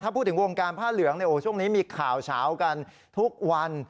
พูดถึงวงการผ้าเหลืองช่วงนี้มีข่าวเฉากันทุกวัน